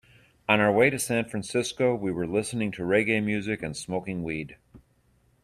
On our way to San Francisco, we were listening to reggae music and smoking weed.